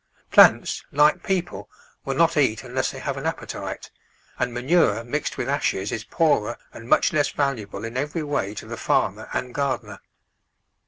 Plants, like people, will not eat unless they have an appetite, and manure mixed with ashes is poorer and much less valuable in every way to the farmer and gardener.